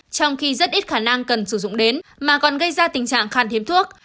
trong khi rất ít khả năng cần sử dụng đến mà còn gây ra tình trạng khan hiếm thuốc